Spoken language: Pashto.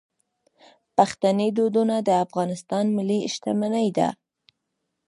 پښتني دودونه د افغانستان ملي شتمني ده.